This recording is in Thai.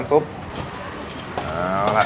น้ำซุปละ